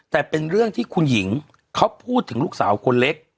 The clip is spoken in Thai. แต่เป็นเรื่องที่คุณหญิงเขาพูดถึงลูกสาวคนเล็ก